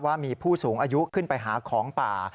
ว่ามีผู้สูงอายุขึ้นไปหาของป่า